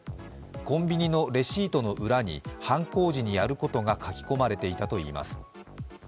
コンビニのレシートの裏に犯行時にやることが書き込まれていたといいます。